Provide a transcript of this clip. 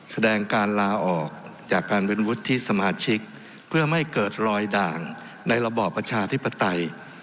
แสดงการลาออกจากการเป็นวุฒิสมาชิกเพื่อไม่เกิดลอยด่างในระบอบประชาธิปไตย